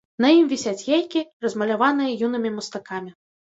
На ім вісяць яйкі, размаляваныя юнымі мастакамі.